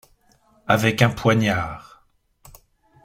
Avec un poignard.